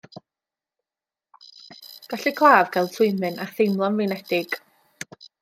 Gall y claf gael twymyn a theimlo'n flinedig.